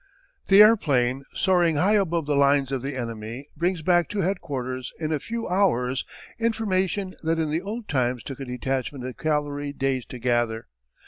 The airplane, soaring high above the lines of the enemy, brings back to headquarters in a few hours information that in the old times took a detachment of cavalry days to gather.